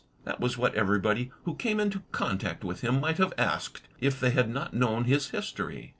That was what everybody who came into contact with him might have asked, if they had not known his history.